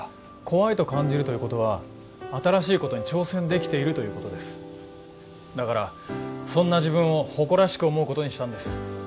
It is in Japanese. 怖いと感じるということは新しいことに挑戦できているということですだからそんな自分を誇らしく思うことにしたんです